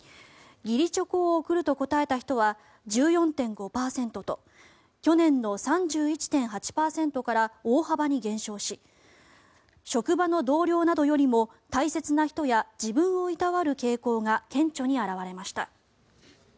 義理チョコを贈ると答えた人は１４．５％と去年の３１．８％から大幅に減少し職場の同僚などよりも大切な人や自分をいたわる傾向が顕著に表れました。